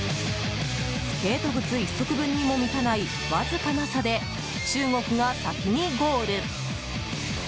スケート靴１足分にも満たないわずかな差で中国が先にゴール！